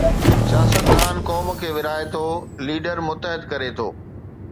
سياستدان قوم کي ورهائي ٿو، ليڊر متحد ڪري ٿو.